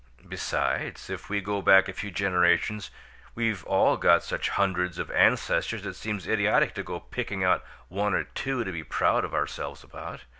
Besides, if we go back a few generations, we've all got such hundreds of ancestors it seems idiotic to go picking out one or two to be proud of ourselves about.